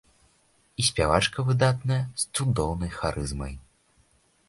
І спявачка выдатная, з цудоўнай харызмай.